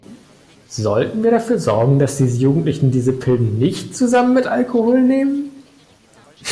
Sollten wir dafür sorgen, dass diese Jugendlichen diese Pillen nicht zusammen mit Alkohol nehmen?